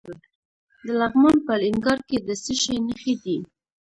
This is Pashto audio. د لغمان په الینګار کې د څه شي نښې دي؟